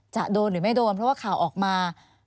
จะโดนหรือไม่โดนเพราะว่าข่าวออกมา